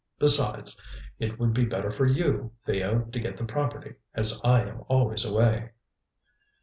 Besides, it would be better for you, Theo, to get the property, as I am always away."